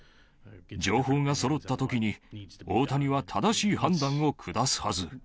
情報がそろったときに、大谷は正しい判断を下すはず。